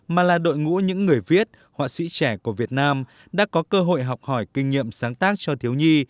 mà là đội ngũ những người viết họa sĩ trẻ của việt nam đã có cơ hội học hỏi kinh nghiệm sáng tác cho thiếu nhi